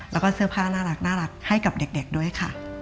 แล้วก็เสื้อผ้าน่ารักให้กับเด็กด้วยค่ะ